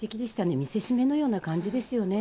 見せしめのような感じですよね。